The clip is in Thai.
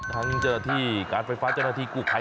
ทางเจ้าหน้าที่การไฟฟ้าเจ้าหน้าที่กลุ่มไพร